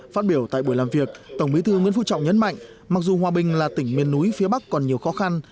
phát biểu tại buổi làm việc tổng bí thư nguyễn phú trọng nhấn mạnh mặc dù hòa bình là tỉnh miền núi phía bắc còn nhiều khó khăn